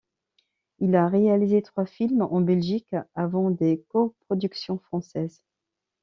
Il a réalisé trois films en Belgique, avant des coproductions françaises.